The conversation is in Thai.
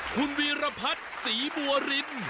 คุณวีรพัฒน์ศรีบัวริน